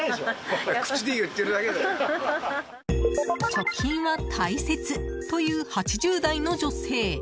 貯金は大切という８０代の女性。